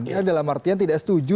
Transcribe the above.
ya dalam artian tidak setuju